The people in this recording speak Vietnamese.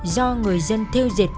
do người dân theo dịch